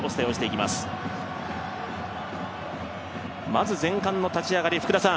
まず、前半の立ち上がり。